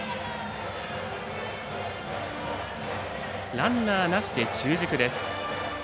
ランナーなしで中軸です。